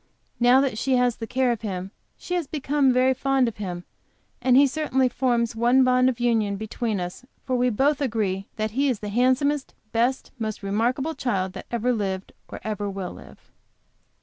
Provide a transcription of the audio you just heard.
Now that she has the care of him, she has become very fond of him, and he certainly forms one bond of union between us, for we both agree that he is the handsomest, best, most remarkable child that ever lived, or ever will live.